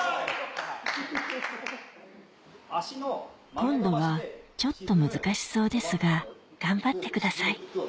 今度はちょっと難しそうですが頑張ってください